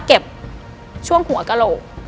เก็บช่วงหัวกระโหลก